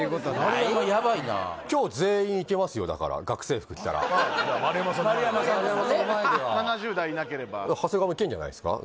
丸山ヤバいな今日全員いけますよだから学生服着たら丸山さんの前ならね丸山の場合はね７０代いなければ長谷川もいけんじゃないですか？